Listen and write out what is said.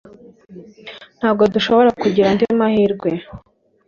Ntabwo dushobora kugira andi mahirwe.